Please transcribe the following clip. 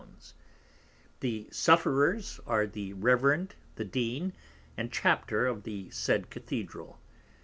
_ The Sufferers are the Reverend the Dean and Chapter of the said Cathedral.